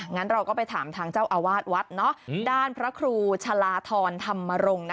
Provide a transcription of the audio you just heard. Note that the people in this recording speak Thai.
งั้นเราก็ไปถามทางเจ้าอาวาสวัดด้านพระครูชะลาธรธรรมรงค์